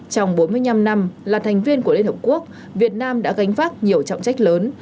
trong bốn mươi năm năm là thành viên của liên hợp quốc việt nam đã gánh vác nhiều trọng trách lớn